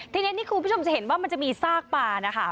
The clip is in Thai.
ทีนี้นี่คุณผู้ชมจะเห็นว่ามันจะมีซากปลานะคะ